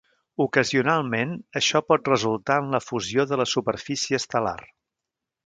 Ocasionalment, això pot resultar en la fusió de la superfície estel·lar.